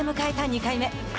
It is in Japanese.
２回目。